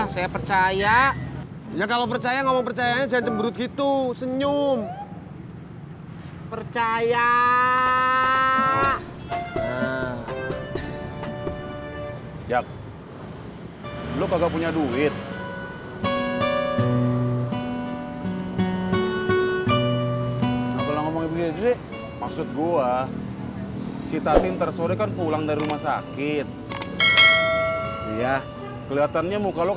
sampai jumpa di video selanjutnya